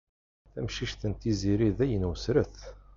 Tamcict n Tiziri dayen wessret.